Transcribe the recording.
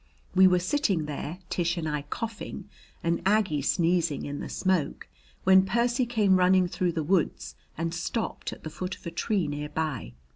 We were sitting there, Tish and I coughing and Aggie sneezing in the smoke, when Percy came running through the woods and stopped at the foot of a tree near by.